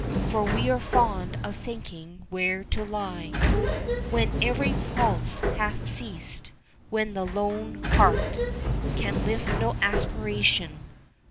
For we are fond of thinking where to lie When every pulse hath ceast, when the lone heart Can lift no aspiration